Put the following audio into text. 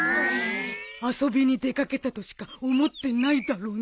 遊びに出掛けたとしか思ってないだろうね。